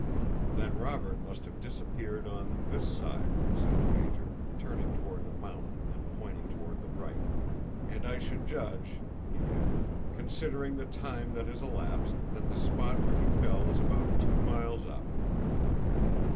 "Then Robert must have disappeared on this side," said the Major, turning toward the mountain and pointing toward the right: "and I should judge," he added, "considering the time that has elapsed, that the spot where he fell is about two miles up.